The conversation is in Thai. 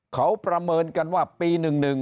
เขาประเมินกันว่าปี๑๑